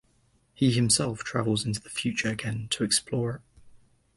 He himself travels into the future again to explore it.